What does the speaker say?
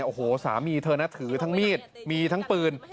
โอ้โหสามีเธอนะถือทั้งมีดมีทั้งปืน